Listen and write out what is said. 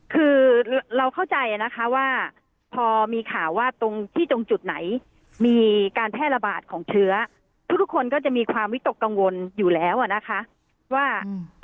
คือเราเข้าใจนะคะว่าพอมีข่าวว่าตรงที่ตรงจุดไหนมีการแพร่ระบาดของเชื้อทุกคนก็จะมีความวิตกกังวลอยู่แล้วอ่ะนะคะว่า